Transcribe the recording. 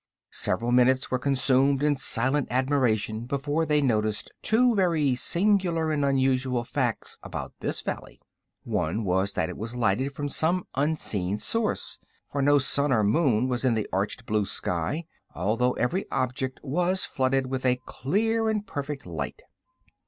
Several minutes were consumed in silent admiration before they noticed two very singular and unusual facts about this valley. One was that it was lighted from some unseen source; for no sun or moon was in the arched blue sky, although every object was flooded with a clear and perfect light.